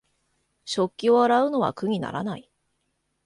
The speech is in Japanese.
食器を洗うのは苦にならない